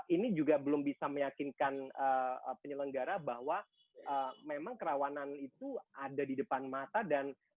ini juga belum bisa meyakinkan penyelenggara bahwa memang kerawanan itu ada di depan mata dan